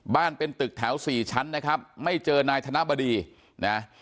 เป็นตึกแถวสี่ชั้นนะครับไม่เจอนายธนบดีนะ